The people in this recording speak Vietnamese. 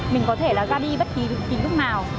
mình có thể ra đi bất kỳ lúc nào